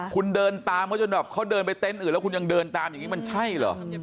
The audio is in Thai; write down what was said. คุณเดินตามเขาจนแบบเขาเดินไปเต็นต์อื่นแล้วคุณยังเดินตามอย่างนี้มันใช่เหรอ